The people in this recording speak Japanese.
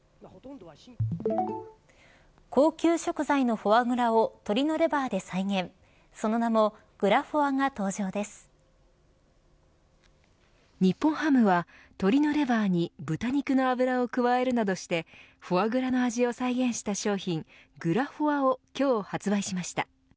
高級食材のフォアグラを鶏のレバーで再現日本ハムは鶏のレバーに豚肉の油を加えるなどしてフォアグラの味を再現した商品グラフォアを今日発売しました。